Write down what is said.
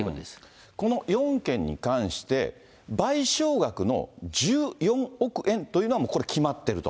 この４件に関して、賠償額の１４億円というのは、もうこれ、決まってると。